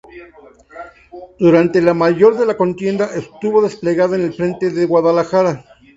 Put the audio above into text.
Durante la mayor de la contienda estuvo desplegada en el frente de Guadalajara.